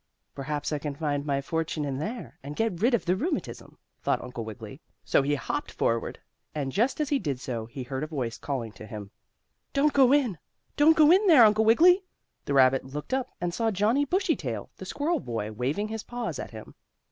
"Perhaps I can find my fortune in there, and get rid of the rheumatism," thought Uncle Wiggily, so he hopped forward. And just as he did so he heard a voice calling to him: "Don't go in! Don't go in there, Uncle Wiggily!" The rabbit looked up, and saw Johnnie Bushytail, the squirrel boy, waving his paws at him.